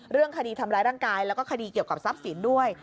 เรื่องคดีทำร้ายร่างกายแล้วก็คดีเกี่ยวกับทรัพย์สินด้วย